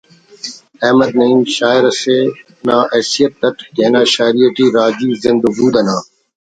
…………احمد نعیم شاعر اسے نا حیثیت اٹ تینا شاعری ٹی راجی زند و بود نا